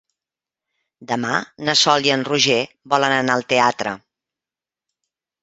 Demà na Sol i en Roger volen anar al teatre.